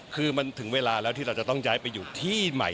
คือมันถึงเวลาแล้วที่เราจะต้องย้ายไปอยู่ที่ใหม่